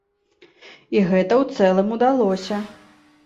І гэта ў цэлым удалося.